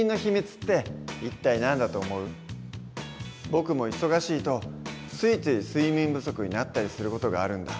僕も忙しいとついつい睡眠不足になったりする事があるんだ。